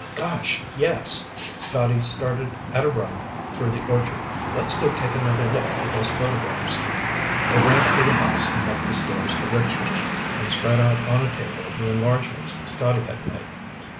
"Gosh, yes!" Scotty started at a run through the orchard. "Let's go take another look at those photographs!" They ran through the house and up the stairs to Rick's room, and spread out on a table the enlargements Scotty had made.